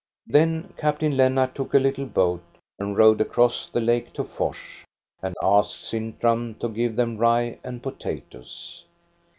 Then Captain Lennart took a little boat and rowed across the lake to Fors and asked Sintram to give them rye and potatoes.